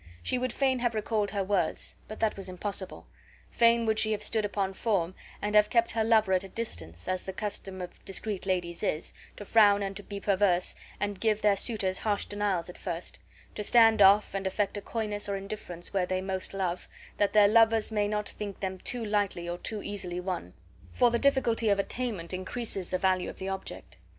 She would fain have recalled her words, but that was impossible; fain would she have stood upon form, and have kept her lover at a distance, as the custom of discreet ladies is, to frown and be perverse and give their suitors harsh denials at first; to stand off, and affect a coyness or indifference where they most love, that their lovers may not think them too lightly or too easily won; for the difficulty of attainment increases the value of the object.